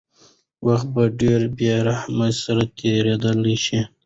وخت په ډېرې بېرحمۍ سره تېرېدلی شي.